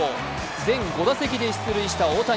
全５打席で出塁した大谷。